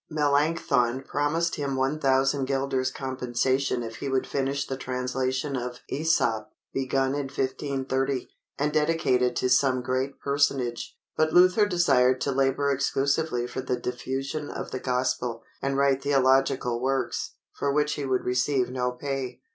_" Melanchthon promised him 1000 guilders compensation if he would finish the translation of Æsop, begun in 1530, and dedicate it to some great personage; but Luther desired to labor exclusively for the diffusion of the Gospel, and write theological works, for which he would receive no pay.